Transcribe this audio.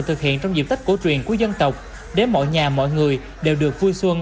thực hiện trong diệp tách cổ truyền của dân tộc để mọi nhà mọi người đều được vui xuân